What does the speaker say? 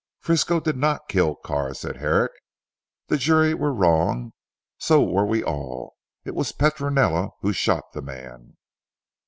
"Frisco did not kill Carr," said Herrick, "the jury were wrong, so were we all. It was Petronella who shot the man."